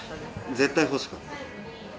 絶対欲しかった。